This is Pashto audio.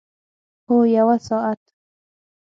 هو، یوه ساعت